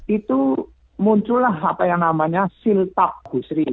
itu muncullah apa yang namanya siltap busri